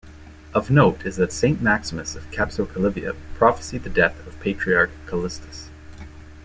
Of note is that Saint Maximus of Kapsokalyvia prophesied the death of Patriarch Callistus.